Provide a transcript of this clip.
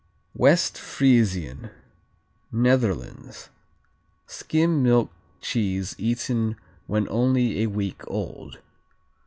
West Friesian Netherlands Skim milk cheese eaten when only a week old.